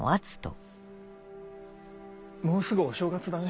もうすぐお正月だね。